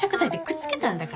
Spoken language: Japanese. くっつけたんだ。